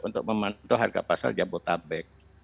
untuk memantau harga pasar jabotabek